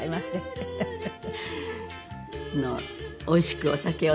フフフフ。